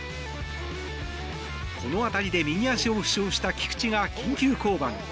この当たりで右足を負傷した菊池が緊急降板。